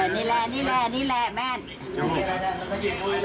เดี๋ยวต้องเอาภาพสูง